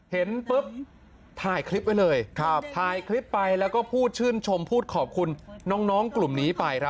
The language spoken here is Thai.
โหทเปปุ่นพิมพ์ก็น้าจะชอบเท่านั้นต่อค่ะ